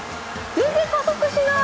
全然加速しない。